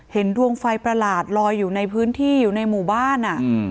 ดวงไฟประหลาดลอยอยู่ในพื้นที่อยู่ในหมู่บ้าน